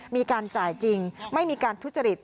มีการจ่ายจริงไม่มีการทุจริต